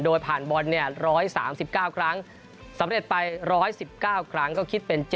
โดยผ่านบอล๑๓๙ครั้งสำเร็จไป๑๑๙ครั้งก็คิดเป็น๗